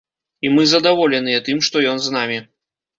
І мы задаволеныя тым, што ён з намі.